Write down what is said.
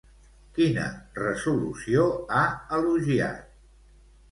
Quina resolució ha elogiat?